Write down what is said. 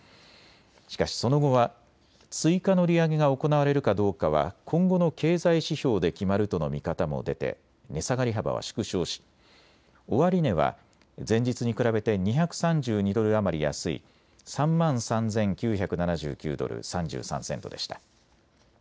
しかし、その後は追加の利上げが行われるかどうかは今後の経済指標で決まるとの見方も出て値下がり幅は縮小し終値は前日に比べて２３２ドル余り安い３万３９７９ドル３３セントでした。